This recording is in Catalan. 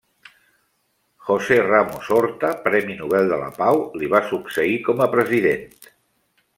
José Ramos-Horta, Premi Nobel de la Pau li va succeir com a president.